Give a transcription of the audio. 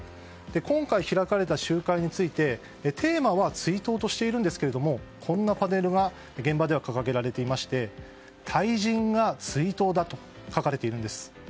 今回開かれた集会についてテーマは追悼としているんですけどこんなパネルが現場では掲げられていまして退陣が追悼だと書かれているんです。